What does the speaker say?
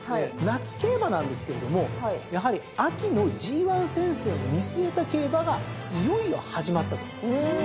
夏競馬なんですけれどもやはり秋のＧⅠ戦線を見据えた競馬がいよいよ始まったと。